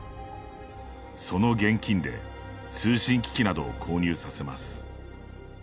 その現金で通信機器などを購入させます。